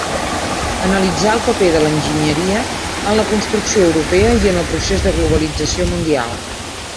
Analitzar el paper de l'enginyeria en la construcció europea i en el procés de globalització mundial.